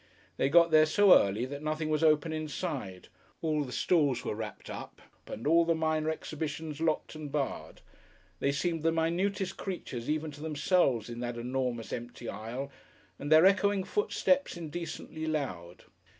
They got there so early that nothing was open inside, all the stalls were wrappered up and all the minor exhibitions locked and barred; they seemed the minutest creatures even to themselves in that enormous empty aisle and their echoing footsteps indecently loud.